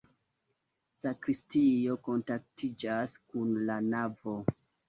Sakristio kontaktiĝas kun la navo.